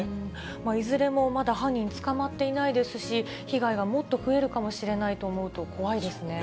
いずれもまだ犯人捕まっていないですし、被害がもっと増えるかもしれないと思うと怖いですね。